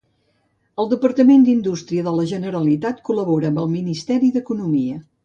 El Departament d'Indústria de la Generalitat col·labora amb el Ministeri d'Economia.